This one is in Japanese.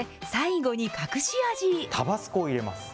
タバスコを入れます。